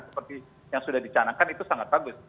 seperti yang sudah dicanangkan itu sangat bagus